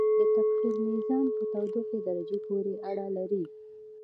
د تبخیر میزان په تودوخې درجې پورې اړه لري.